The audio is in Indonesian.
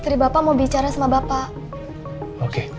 tadi bapak mau bicara sama bapak